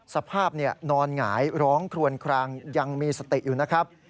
สภาพนอนหงายร้องคลวนคลางยังมีสติอยู่นะครับ